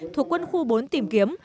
thuộc quân khu bốn tìm kiếm